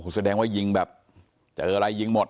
แสดงว่ายิงแบบเจออะไรยิงหมด